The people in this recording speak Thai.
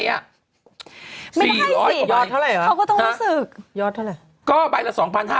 ไม่ได้อีก๔๐๐กว่าใบอะยอดเท่าไรละ